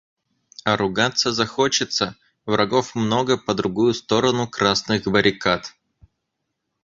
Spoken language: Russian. А ругаться захочется — врагов много по другую сторону красных баррикад.